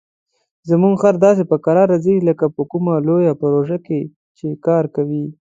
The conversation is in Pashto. زموږ خر داسې په کراره ځي لکه په کومه لویه پروژه چې کار کوي.